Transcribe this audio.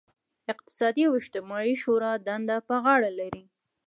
اقتصادي او اجتماعي شورا دنده پر غاړه لري.